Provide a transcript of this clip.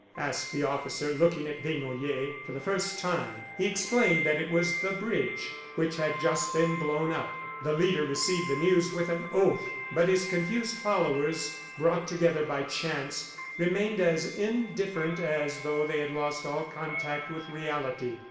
asked the officer, looking at Desnoyers for the first time. He explained that it was the bridge which had just been blown up. The leader received the news with an oath, but his confused followers, brought together by chance, remained as indifferent as though they had lost all contact with reality.